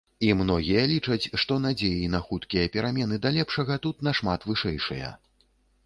І многія лічаць, што надзеі на хуткія перамены да лепшага тут нашмат вышэйшыя.